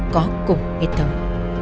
có cùng hết thống